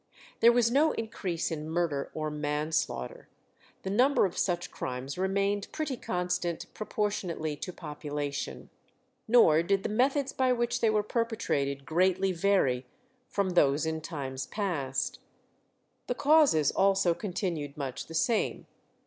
There was no increase in murder or manslaughter; the number of such crimes remained pretty constant proportionately to population. Nor did the methods by which they were perpetrated greatly vary from those in times past. The causes also continued much the same.